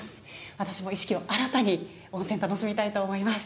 私も意識を新たに、温泉楽しみたいと思います。